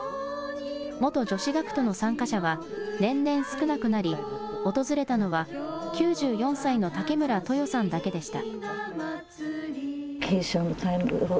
元女子学徒の参加者は年々少なくなり訪れたのは９４歳の武村豊さんだけでした。